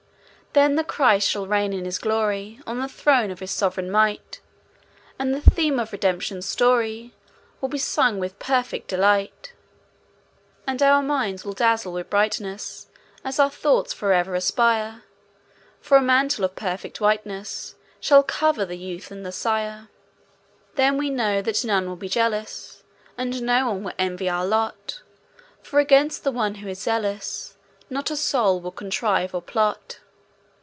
Then the Christ shall reign in his glory On the throne of his sovereign might: And the theme of Redemption's story Will be sung with perfect delight. And our minds will dazzle with brightness, As our thoughts forever aspire, For a mantle of perfect whiteness, Shall cover the youth and the sire; Then we know that none will be jealous, And no one will envy our lot. For against the one who is zealous, Not a soul will contrive or plot.